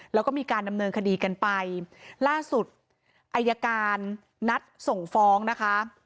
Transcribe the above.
แล้วก็มีการดำเนินคดีกันไปล่าสุดอายการนัดส่งฟ้องนะคะ